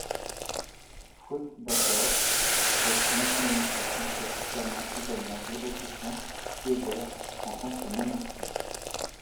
Faute d'accord, les nationalistes français, flamands, italiens et autrichiens siégèrent en tant que non-inscrits.